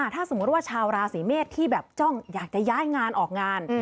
ถ้าสมมุติว่าชาวราศีเมษที่แบบจ้องอยากจะย้ายงานออกงาน